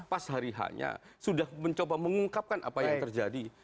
pas hari h nya sudah mencoba mengungkapkan apa yang terjadi